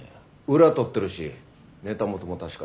裏とってるしネタ元も確かだし。